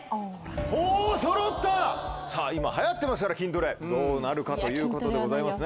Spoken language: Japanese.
ほぉそろった今流行ってますから筋トレどうなるかということでございますね。